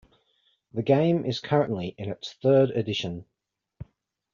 The game is currently in its third edition.